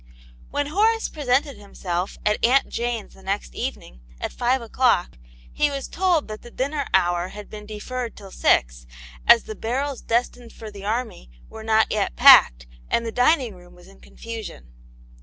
WHEN Horace presented himself at Aunt Jane's the next evening, at five o'clock, he was told that the dinner hour had been deferred till six, as the barrels destined for the army were not yet packed, and the dining room was in confusion.